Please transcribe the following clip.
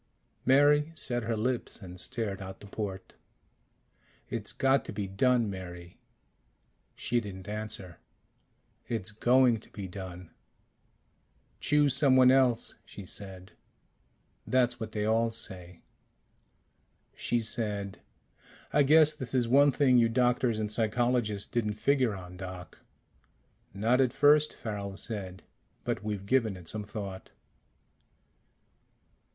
Mary set her lips and stared out the port. "It's got to be done, Mary." She didn't answer. "It's going to be done." "Choose someone else," she said. "That's what they all say." She said, "I guess this is one thing you doctors and psychologists didn't figure on, Doc." "Not at first," Farrel said. "But we've given it some thought."